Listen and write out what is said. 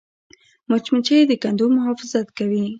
مچمچۍ د کندو محافظت کوي